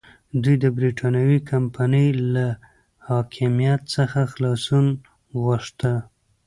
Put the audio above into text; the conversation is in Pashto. دوی د برېټانوي کمپنۍ له حاکمیت څخه خلاصون غوښته.